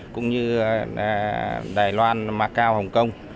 cũng như đài loan macau hồng kông